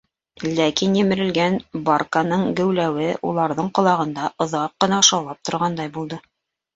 Ләкин Емерелгән барканың геүләүе уларҙың ҡолағында оҙаҡ ҡына шаулап торғандай булды.